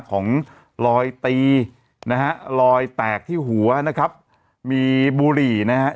ของลอยตีนะฮะรอยแตกที่หัวนะครับมีบุหรี่นะฮะ